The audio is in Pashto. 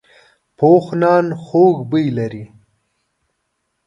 پوخ نان خوږ بوی لري